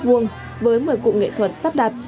với một mươi cụ nghệ thuật sắp đặt